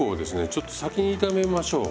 ちょっと先に炒めましょう。